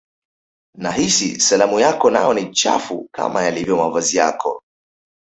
nahisi salamu yako nayo ni chafu kama yalivyo mavazi yako